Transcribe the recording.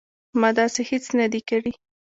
ما داسې هیڅ نه دي کړي